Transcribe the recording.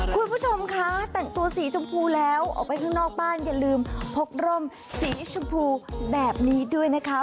คุณผู้ชมคะแต่งตัวสีชมพูแล้วออกไปข้างนอกบ้านอย่าลืมพกร่มสีชมพูแบบนี้ด้วยนะคะ